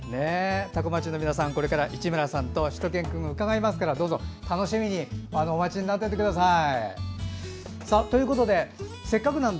多古町の皆さん、これから市村さんとしゅと犬くんが伺いますからどうぞ楽しみにお待ちになっていてください。